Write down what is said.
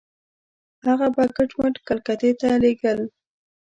هغه به کټ مټ کلکتې ته لېږل.